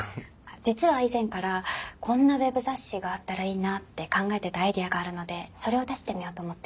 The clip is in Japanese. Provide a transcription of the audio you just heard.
実は以前からこんなウェブ雑誌があったらいいなって考えてたアイデアがあるのでそれを出してみようと思って。